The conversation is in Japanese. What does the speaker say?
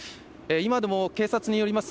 今でも警察によります